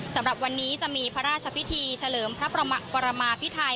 สำหรับวันนี้จะมีพระราชพิธีเฉลิมพระปรมาพิไทย